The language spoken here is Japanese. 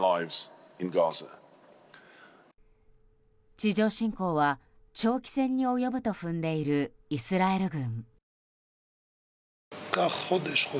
地上侵攻は長期戦に及ぶと踏んでいる、イスラエル軍。